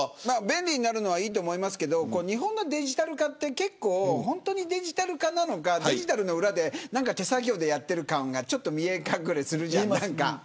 便利になるのはいいと思いますが日本のデジタル化は本当に、デジタル化なのかデジタルの裏で手作業でやっている感が見え隠れするじゃないですか。